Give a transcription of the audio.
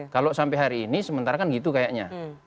kalau sampai hari ini sementara kan gitu kayaknya